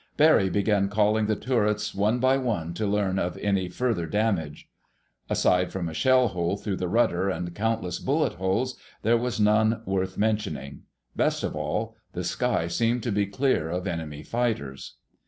Barry began calling the turrets one by one to learn of any further damage. Aside from a shell hole through the rudder and countless bullet holes, there was none worth mentioning. Best of all, the sky seemed to be clear of enemy fighters.